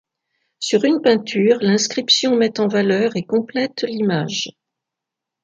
Sur une peinture, l'inscription met en valeur et complète l'image.